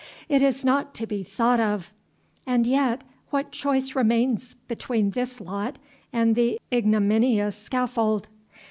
It is not to be thought of. And yet, what choice remains between this lot and the ignominious scaffold?